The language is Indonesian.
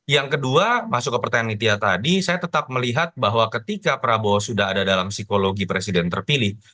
yang kedua masuk ke pertanyaan nitia tadi saya tetap melihat bahwa ketika prabowo sudah ada dalam psikologi presiden terpilih